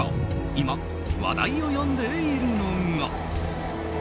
今、話題を呼んでいるのが。